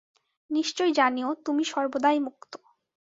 নিশ্চয় জানিও তুমি সর্বদাই মুক্ত।